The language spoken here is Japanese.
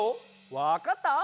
わかった？